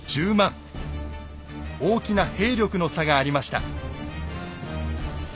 大きな兵力の差がありました。